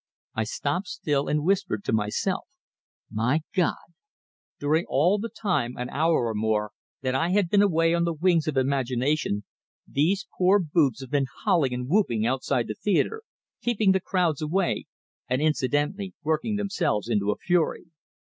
I stopped still, and whispered to myself, "My God!" During all the time an hour or more that I had been away on the wings of imagination, these poor boobs had been howling and whooping outside the theatre, keeping the crowds away, and incidentally working themselves into a fury!